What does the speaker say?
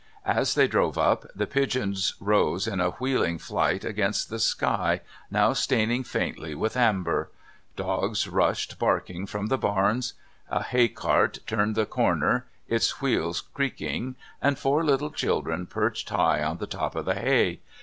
As they drove up, the pigeons rose in a wheeling flight against the sky now staining faintly with amber; dogs rushed barking from the barns; a haycart turned the comer, its wheels creaking, and four little children perched high on the top of the hay.